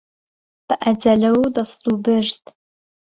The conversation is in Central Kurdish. به ئهجهله و دهستووبرد